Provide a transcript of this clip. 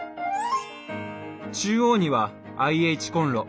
中央にはＩＨコンロ。